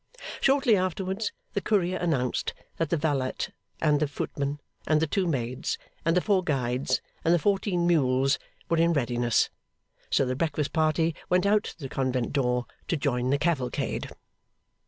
Shortly afterwards, the courier announced that the valet, and the footman, and the two maids, and the four guides, and the fourteen mules, were in readiness; so the breakfast party went out to the convent door to join the cavalcade.